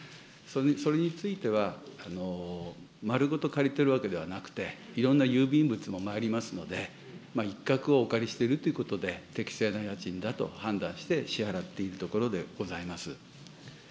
それについては、丸ごと借りてるわけではなくて、いろんな郵便物もまいりますので、一画をお借りしているということで、適正な家賃だと判断して、支払っているところでございます。